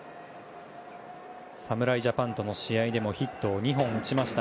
侍ジャパンとの試合でもヒットを２本打ちました。